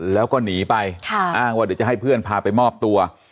แล้วก็หนีไปอ้างว่าเดี๋ยวจะให้เพื่อนพาไปมอบตัว